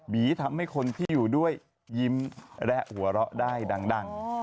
ทำให้คนที่อยู่ด้วยยิ้มและหัวเราะได้ดัง